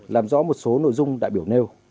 làm rõ một số nội dung đại biểu nêu